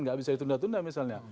nggak bisa ditunda tunda misalnya